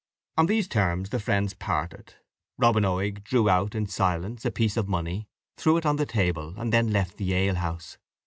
On these terms the friends parted. Robin Oig drew out, in silence, a piece of money, threw it on the table, and then left the alehouse.